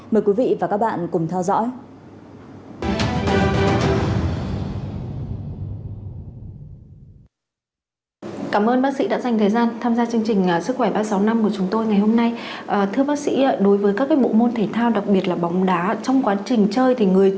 mời quý vị và các bạn cùng theo dõi